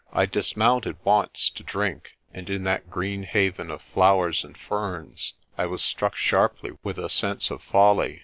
I dismounted once to drink, and in that green haven of flowers and ferns I was struck sharply with a sense of folly.